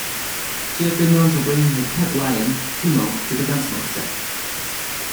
She had been known for bringing her pet lion, Kemo, onto the "Gunsmoke" set.